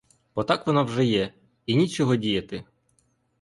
Бо так воно вже є, і нічого діяти!